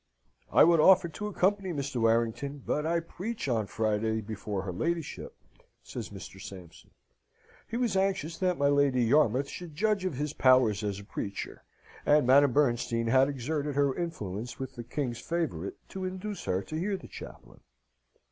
"I would offer to accompany Mr. Warrington, but I preach on Friday before her ladyship," says Mr. Sampson. He was anxious that my Lady Yarmouth should judge of his powers as a preacher; and Madame Bernstein had exerted her influence with the king's favourite to induce her to hear the chaplain.